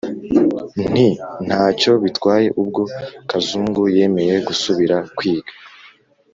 Nti: nta cyo bitwaye ubwo Kazungu yemeye gusubira kwiga